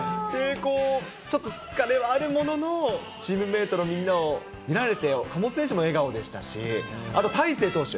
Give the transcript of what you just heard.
ちょっと疲れはあるものの、チームメートのみんなを見られて、岡本選手も笑顔でしたし、あと、大勢投手。